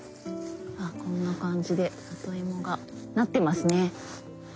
あこんな感じで里芋がなってますね。